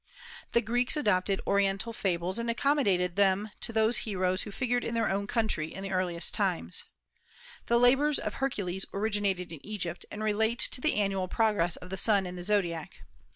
The Greeks adopted Oriental fables, and accommodated them to those heroes who figured in their own country in the earliest times. "The labors of Hercules originated in Egypt, and relate to the annual progress of the sun in the zodiac.